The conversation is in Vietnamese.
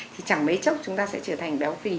thì chẳng mấy chốc chúng ta sẽ trở thành béo phì